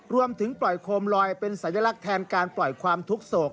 รวมถึงปล่อยโคมลอยเป็นสัญลักษณ์แทนการปล่อยความทุกข์โศก